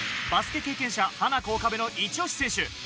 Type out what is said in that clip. バスケ経験者、ハナコ・岡部のイチオシ選手。